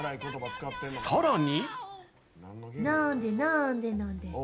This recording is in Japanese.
さらに。